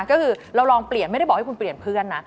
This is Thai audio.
ก็คือเราลองเปลี่ยนไม่ได้บอกให้คุณเปลี่ยนเพื่อนนะ